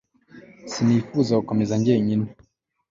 sinifuza gukomeza njyenyine